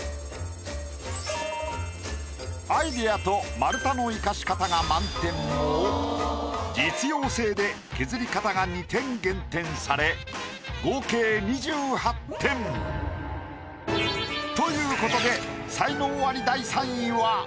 アイデアと丸太の生かし方が満点も実用性で削り方が２点減点され合計２８点。ということで。